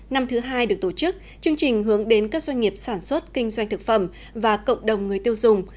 năm thứ hai được tổ chức chương trình hướng đến các doanh nghiệp sản xuất kinh doanh thực phẩm và cộng đồng người tiêu dùng